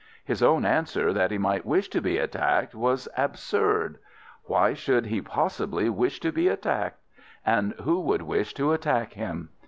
His own answer that he might wish to be attacked was absurd. Why should he possibly wish to be attacked? And who would wish to attack him?